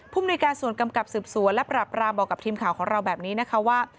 มนุยการส่วนกำกับสืบสวนและปรับรามบอกกับทีมข่าวของเราแบบนี้นะคะว่า